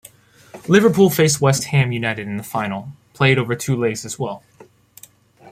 Liverpool faced West Ham United in the final, played over two legs as well.